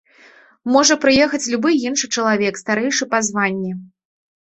Можа прыехаць любы іншы чалавек, старэйшы па званні.